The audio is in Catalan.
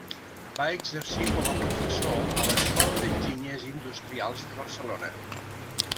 Va exercir com a professor a l'Escola d'Enginyers Industrials de Barcelona.